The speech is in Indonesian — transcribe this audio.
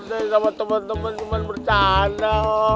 sama temen temen cuman bercanda